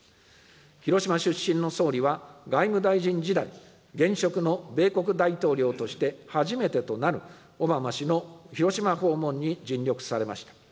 広島出身の総理は、外務大臣時代、現職の米国大統領として初めてとなる、オバマ氏の広島訪問に尽力されました。